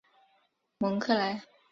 蒙克莱。